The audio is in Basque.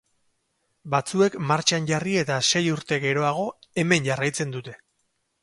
Batzuek martxan jarri eta sei urte geroago hemen jarraitzen dute.